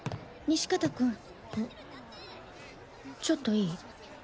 ちょっといい？